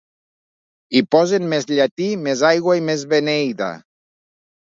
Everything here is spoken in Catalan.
Hi posen més llatí, més aigua, i més beneïda.